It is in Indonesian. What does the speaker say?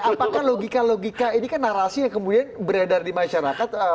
apakah logika logika ini kan narasi yang kemudian beredar di masyarakat